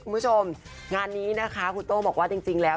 คุณผู้ชมงานนี้นะคะคุณโต้บอกว่าจริงแล้ว